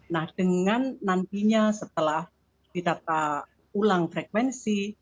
nah dengan nantinya setelah ditata ulang frekuensi